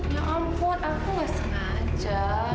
ya ampun aku nggak sengaja